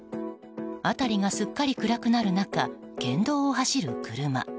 辺りがすっかり暗くなる中県道を走る車。